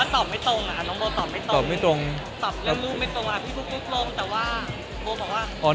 คำปรับรูปไม่ตรงพี่พูปปุ๊ปปรงแต่โบ๊คบอกว่า